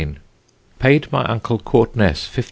Paid my uncle Courtness 15_d.